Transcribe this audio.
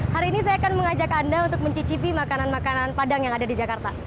hari ini saya akan mengajak anda untuk mencicipi makanan makanan padang yang ada di jakarta